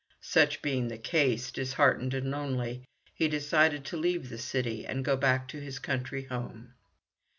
Such being the case, disheartened and lonely, he decided to leave the city and go back to his country home.